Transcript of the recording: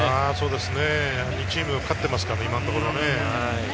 ２チーム勝ってますから、今のところね。